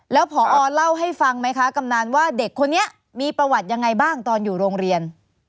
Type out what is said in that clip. แล้วพอเล่าให้ฟังไหมคะกำนันว่าเด็กคนนี้มีประวัติยังไงบ้างตอนอยู่โรงเรียน